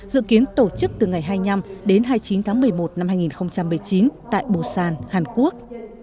dự kiến tổ chức từ ngày hai mươi năm đến hai mươi chín tháng một mươi một năm hai nghìn một mươi chín tại busan hàn quốc